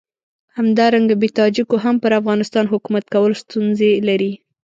همدارنګه بې تاجکو هم پر افغانستان حکومت کول ستونزې لري.